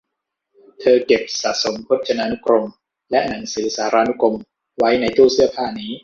เธอเก็บสะสมพจนานุกรมและหนังสือสารานุกรมไว้ในตู้เสื้อผ้านี้